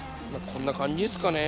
こんな感じですかね。